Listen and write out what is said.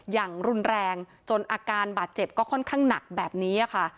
อย่างรุนแรงจนอาการบาดเจ็บก็ค่อนข้างหนักแบบนี้ค่ะ